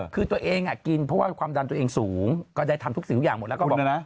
คือตัวเองกินเพราะว่าความดันตัวเองสูงก็ได้ทำทุกสิ่งทุกอย่างหมดแล้วก็บอกนะ